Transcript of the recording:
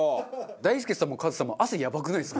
大輔さんもカズさんも汗やばくないですか？